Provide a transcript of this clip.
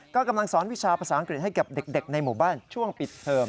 ก็กำลังสอนวิชาภาษาอังกฤษให้กับเด็กในหมู่บ้านช่วงปิดเทอม